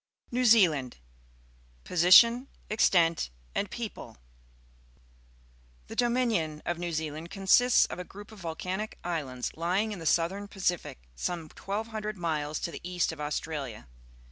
NEW ZEALAND Position, Extent, and People. — The Do2aijxion_of N^eiv Zealand consists of a group of volcanic islands, Ijdng in the Southern Pacific some 1,200 miles to the east of Australia.